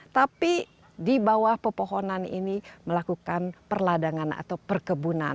tapi di bawah pepohonan ini melakukan perladangan atau perkebunan